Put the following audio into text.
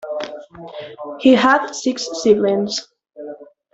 He had six siblings.